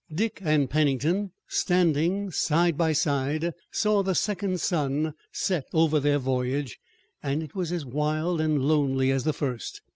Dick and Pennington, standing side by side, saw the second sun set over their voyage, and it was as wild and lonely as the first.